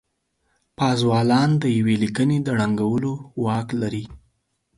پازوالان د يوې ليکنې د ړنګولو واک لري.